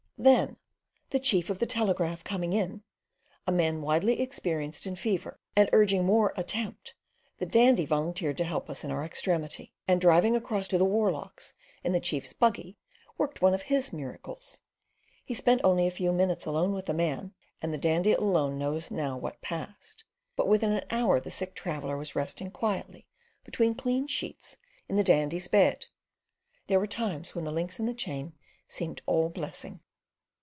Then the chief of the telegraph coming in—a man widely experienced in fever—and urging one more attempt, the Dandy volunteered to help us in our extremity, and, driving across to the Warlochs in the chief's buggy worked one of his miracles; he spent only a few minutes alone with the man (and the Dandy alone knows now what passed), but within an hour the sick traveller was resting quietly between clean sheets in the Dandy's bed. There were times when the links in the chain seemed all blessing.